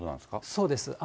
そうです。